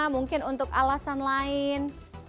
mungkin untuk alasan lain